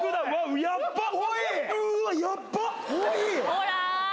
ほら！